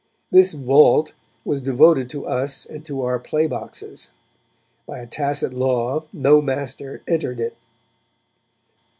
This vault was devoted to us and to our play boxes: by a tacit law, no master entered it.